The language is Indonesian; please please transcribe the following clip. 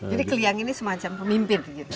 jadi kliang ini semacam pemimpin gitu